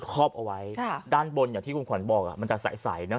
คลอปเอาไว้ค่ะด้านบนอย่างที่คุณควรบอกอ่ะมันจะใสเนอะ